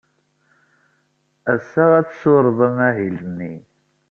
Ass-a, ad tessured amahil-nni.